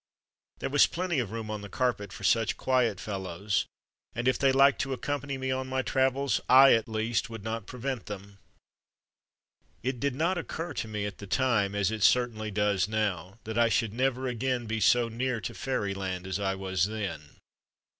There was plenty of room on the carpet for such quiet fellows, and if they liked to accompany me on my travels I, at least, would not prevent them. It did not occur to me at the time, as THE MAGIC CARPET 81 it certainly does now, that I should never again be so near to fairyland as I was then.